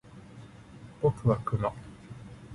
僕はクマ